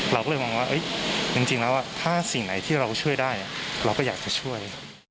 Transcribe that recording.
เราก็เลยมองว่าจริงแล้วถ้าสิ่งไหนที่เราช่วยได้เราก็อยากจะช่วย